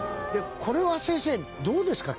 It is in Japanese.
これは先生どうですか？